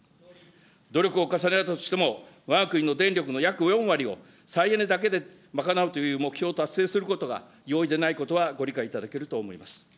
努力を重ねるとしてもわが国の電力の約４割を再エネだけで賄うという目標を達成することが容易でないことは、ご理解いただけると思います。